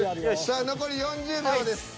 さあ残り４０秒です。